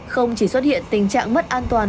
không chỉ xuất hiện tình trạng mất an toàn